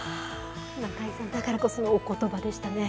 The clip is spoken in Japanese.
中井さんだからこそのおことばでしたね。